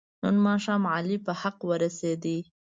نن ماښام علي په حق ورسید.